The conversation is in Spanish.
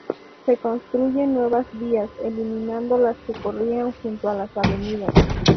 Se construyeron nuevas vías, eliminando las que corrían junto a las avenidas.